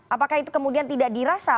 apakah itu kemudian tidak dirasa